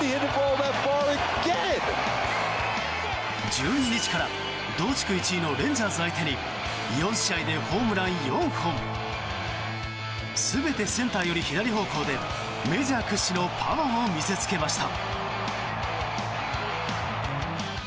１２日から同地区１位のレンジャーズ相手に４試合でホームラン４本全てセンターより左方向でメジャー屈指のパワーを見せつけました。